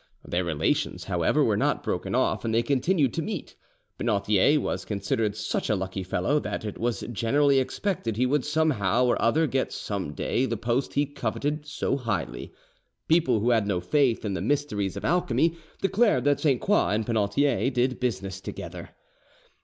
Their relations, however, were not broken off, and they continued to meet. Penautier was considered such a lucky fellow that it was generally expected he would somehow or other get some day the post he coveted so highly. People who had no faith in the mysteries of alchemy declared that Sainte Croix and Penautier did business together.